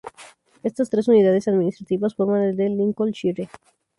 Estas tres unidades administrativas forman el de Lincolnshire.